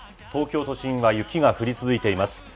東京都心は雪が降り続いています。